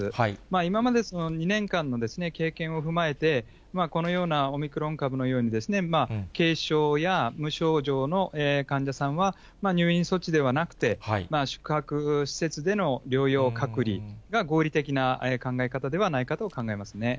今まで２年間の経験を踏まえて、このようなオミクロン株のように、軽症や無症状の患者さんは、入院措置ではなくて、宿泊施設での療養隔離が合理的な考え方ではないかと考えますね。